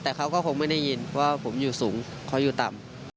แต่เขาก็คงไม่ได้ยินว่าผมอยู่สูงเขาอยู่ต่ำ